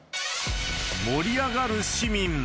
盛り上がる市民。